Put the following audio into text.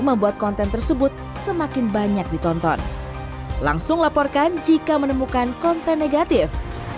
membuat konten tersebut semakin banyak ditonton langsung laporkan jika menemukan konten negatif